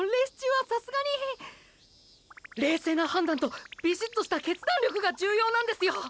冷静な判断とビシッとした決断力が重要なんですよ。